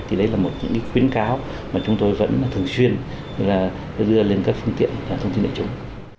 thì đấy là một những khuyến cáo mà chúng tôi vẫn thường xuyên đưa lên các phương tiện thông tin đại chúng